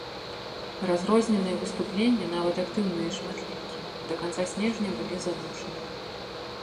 Разрозненыя выступленні, нават актыўныя і шматлікія, да канца снежня былі задушаны.